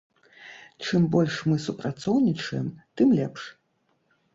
Чым больш мы супрацоўнічаем, тым лепш.